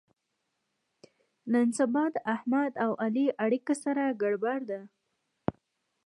نن سبا د احمد او علي اړیکه سره ګړبړ ده.